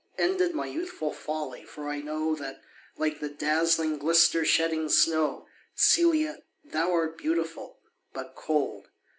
Ended my youthful folly! for I know That, like the dazzling, glister shedding snow, Celia, thou art beautiful, but cold.